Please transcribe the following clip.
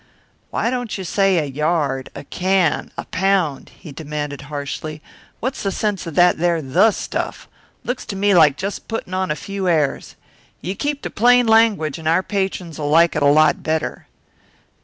"Why don't you say 'a yard,' 'a can,' 'a pound'?" he demanded harshly. "What's the sense of that there 'the' stuff? Looks to me like just putting on a few airs. You keep to plain language and our patrons'll like it a lot better."